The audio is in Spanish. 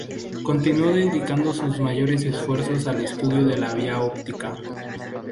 Continuó dedicando sus mayores esfuerzos al estudio de la vía óptica.